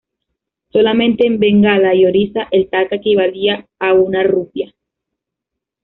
Solamente en Bengala y Orissa el taka equivalía a una rupia.